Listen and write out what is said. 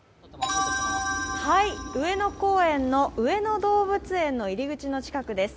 上野公園の上野動物園の入り口の近くです。